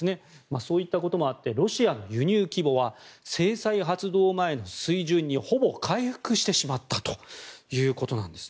そういったこともあってロシアの輸入規模は制裁発動前の水準にほぼ回復してしまったということです。